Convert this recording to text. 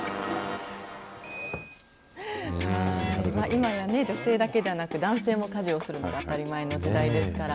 今やね、女性だけではなくて、男性も家事をするのが当たり前の時代ですから。